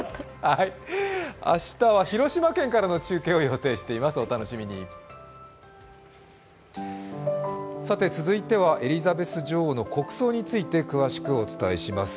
明日は広島県からの中継を予定しています、お楽しみに続いては、エリザベス女王の国葬について詳しくお伝えします。